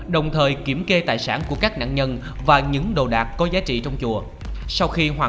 đồng thời kiểm kê tài sản của các nạn nhân và những đồ đạc có giá trị trong chùa